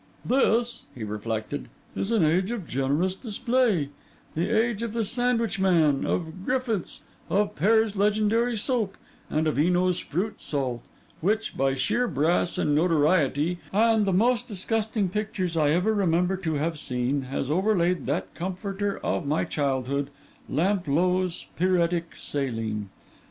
'This,' he reflected, 'is an age of generous display: the age of the sandwich man, of Griffiths, of Pears' legendary soap, and of Eno's fruit salt, which, by sheer brass and notoriety, and the most disgusting pictures I ever remember to have seen, has overlaid that comforter of my childhood, Lamplough's pyretic saline.